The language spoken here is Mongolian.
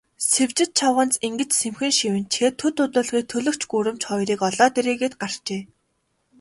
Сэвжид чавганц ингэж сэмхэн шивнэчхээд, төд удалгүй төлгөч гүрэмч хоёрыг олоод ирье гээд гарчээ.